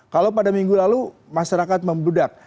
kalau pada minggu lalu masyarakat membludak